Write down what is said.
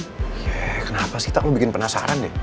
ye kenapa sih tak lo bikin penasaran deh